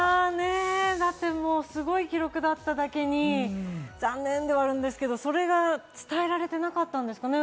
だって、もうすごい記録だっただけに、残念ではあるんですけど、それが伝えられてなかったんですかね？